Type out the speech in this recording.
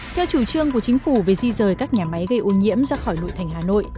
theo chủ trương của chính phủ về di rời các nhà máy gây ô nhiễm ra khỏi nội thành hà nội